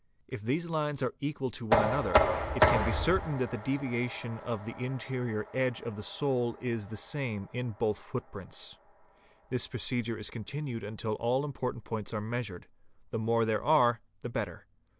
If © these lines are equal to one another, one can be certain that the deviation of the interior edge of the sole is the same in both footprints. This — procedure is continued until all the important points are measured ; the —||| more there are the better.